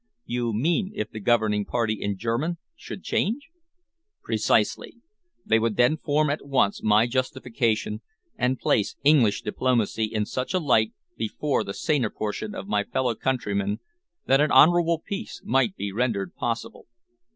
"You mean if the governing party in German should change?" "Precisely! They would then form at once my justification, and place English diplomacy in such a light before the saner portion of my fellow countrymen that an honourable peace might be rendered possible.